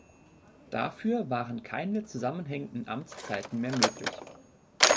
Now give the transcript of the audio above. Dafür waren keine zusammenhängenden Amtszeiten mehr möglich.